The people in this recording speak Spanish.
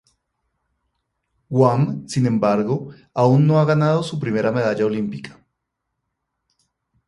Guam, sin embargo, aún no ha ganado su primera medalla olímpica.